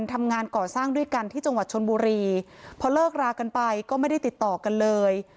ทำงานก่อสร้างด้วยกันที่จังหวัดชนบุรีพอเลิกรากันไปก็ไม่ได้ติดต่อกันเลย